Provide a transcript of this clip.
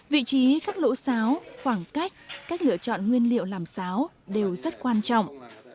vị trí các lỗ sáo khoảng cách cách lựa chọn nguyên liệu làm sáo đều rất quan trọng